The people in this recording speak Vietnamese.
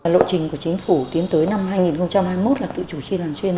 lộ trình của chính phủ tiến tới năm hai nghìn hai mươi một là tự chủ chi làm chuyên